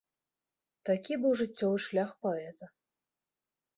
Такі быў жыццёвы шлях паэта.